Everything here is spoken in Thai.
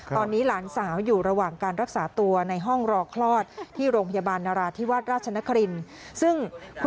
ตอนนี้หลานสาวอยู่ระหว่างการรักษาตัวในห้องรอคลอดที่โรงพยาบาลนราธิวาสราชนครินทร์